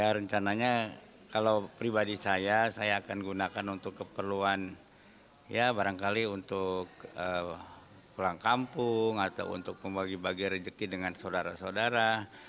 ya rencananya kalau pribadi saya saya akan gunakan untuk keperluan ya barangkali untuk pulang kampung atau untuk membagi bagi rezeki dengan saudara saudara